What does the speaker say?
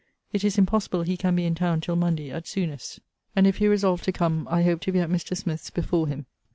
It is impossible he can be in town till Monday, at soonest. And if he resolve to come, I hope to be at Mr. Smith's before him.